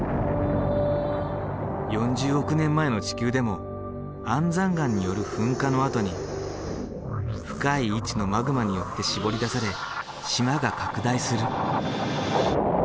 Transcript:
４０億年前の地球でも安山岩による噴火のあとに深い位置のマグマによってしぼり出され島が拡大する。